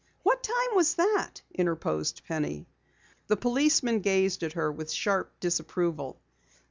"What time was that?" interposed Penny. The policeman gazed at her with sharp disapproval.